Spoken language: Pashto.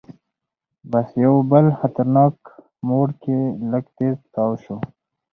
بس یو بل خطرناک موړ کې لږ تیز تاو شو.